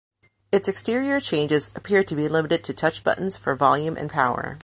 Its exterior changes appear to be limited to touch buttons for volume and power.